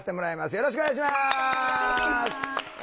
よろしくお願いします。